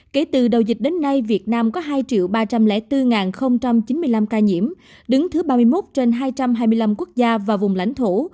kể từ đầu dịch đến nay việt nam có hai ba trăm linh bốn chín mươi năm ca nhiễm đứng thứ ba mươi một trên hai trăm hai mươi năm quốc gia và vùng lãnh thổ